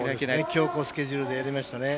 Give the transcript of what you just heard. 強行スケジュールでやりましたね。